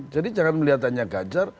jadi jangan melihat hanya ganjar